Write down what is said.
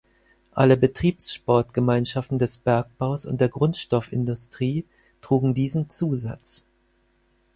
Alle Betriebssportgemeinschaften des Bergbaus und der Grundstoffindustrie trugen diesen Zusatz.